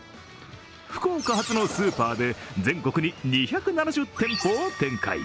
福岡発のスーパーで全国に２７０店舗を展開。